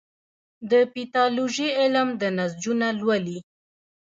د پیتالوژي علم د نسجونه لولي.